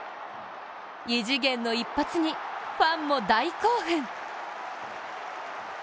異次元の一発に、ファンも大興奮！